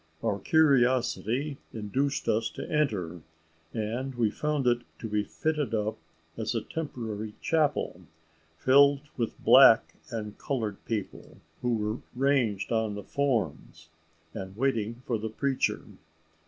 Our curiosity induced us to enter, and we found it to be fitted up as a temporary chapel, filled with black and coloured people, who were ranged on the forms, and waiting for the preacher.